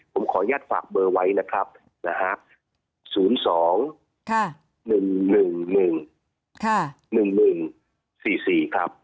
ผมขออนุญาตฝากเบอร์ไว้นะครับนะฮะ๐๒๑๑๑๑๑๑๑๔๔ครับ